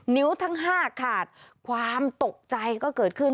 นิ้วทั้ง๕ขาดความตกใจก็เกิดขึ้น